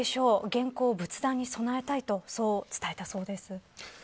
原稿を仏壇に供えたい、と伝えたそうです。